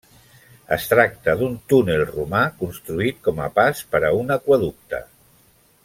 Es tracta d'un túnel romà construït com a pas per a un aqüeducte.